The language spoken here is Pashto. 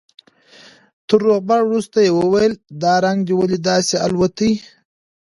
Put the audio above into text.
تر روغبړ وروسته يې وويل دا رنگ دې ولې داسې الوتى.